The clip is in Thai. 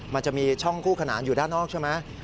มันจะมีช่องคู่ขนานอยู่ด้านนอกใช่ไหม